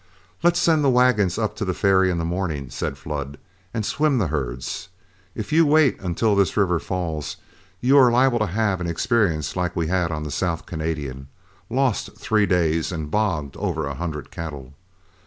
"Let's send the wagons up to the ferry in the morning," said Flood, "and swim the herds. If you wait until this river falls, you are liable to have an experience like we had on the South Canadian, lost three days and bogged over a hundred cattle.